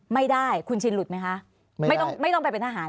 ไม่ได้คุณชินหลุดไหมคะ